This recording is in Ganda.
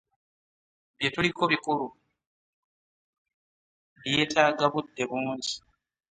Bye tuliko bikulu byetaaga budde bungi.